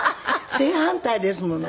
正反対ですもの。